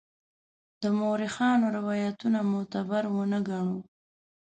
د مورخانو روایتونه معتبر ونه ګڼو.